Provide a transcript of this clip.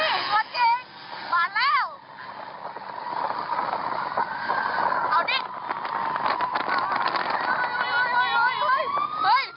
เอาดิ